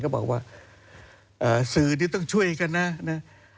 บอกว่าสื่อนี่ต้องช่วยกันนะนะ